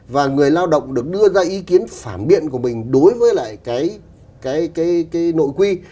và người lao động được đưa ra ý kiến phản biện của mình đối với lại cái nội quy